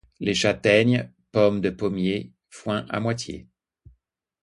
Les châtaignes, pommes de pommier, foin à moitié.